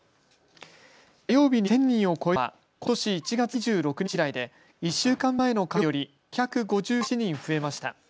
火曜日に１０００人を超えるのはことし１月２６日以来で１週間前の火曜日より５５７人増えました。